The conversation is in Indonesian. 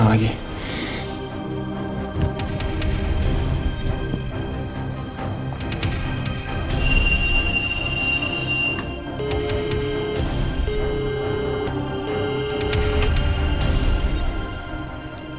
dengan sick wag